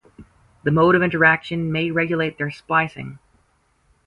This mode of interaction may regulate their splicing.